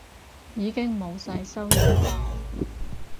已經冇晒收入